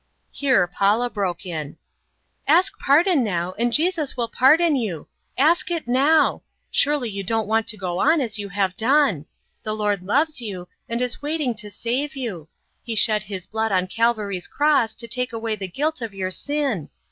Here Paula broke in, "Ask pardon now, and Jesus will pardon you! Ask it now! Surely you don't want to go on as you have done. The Lord loves you, and is waiting to save you. He shed His blood on Calvary's cross to take away the guilt of your sin.